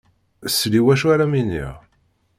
Sell i wacu ara m-iniɣ.